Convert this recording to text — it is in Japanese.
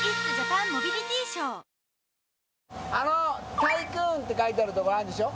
あの「Ｔｙｃｏｏｎ」って書いてあるとこあるでしょ？